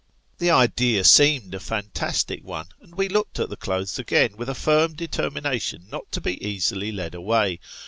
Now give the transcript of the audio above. The idea seemed a fantastic one, and we looked at the clothes again with a firm determination not to be easily led away.